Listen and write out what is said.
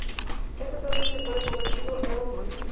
Este plato se puede comer crudo, horneado o frito.